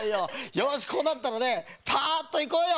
よしこうなったらねパッといこうよ！